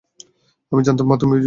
আমি জানতাম তুমি জীবিত।